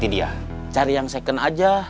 dia cari yang second aja